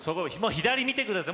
左を見てください。